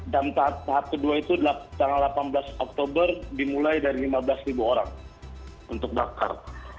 dan tahap kedua itu tanggal delapan belas oktober dimulai dari lima belas orang untuk daftar